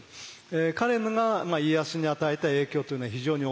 彼が家康に与えた影響というのは非常に大きかったと思います。